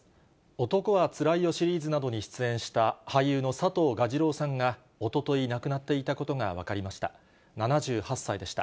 男はつらいよシリーズなどに出演した俳優の佐藤蛾次郎さんが、おととい亡くなっていたことが分かりました。